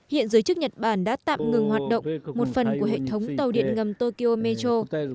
hiện giới chức nhật bản đã tạm ngừng hoạt động một phần của hệ thống tàu điện ngầm tokyo metro